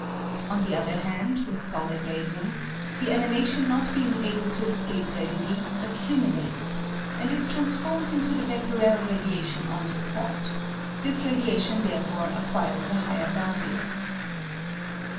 On the other hand, with solid radium, the emanation not being able to escape readily, accumulates, and is trans formed into the Becquerel radiation on the spot ; this radia tion therefore acquires a higher value.